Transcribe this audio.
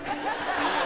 いいよ！